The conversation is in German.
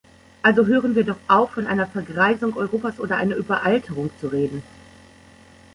Also hören wir doch auf, von einer Vergreisung Europas oder einer Überalterung zu reden!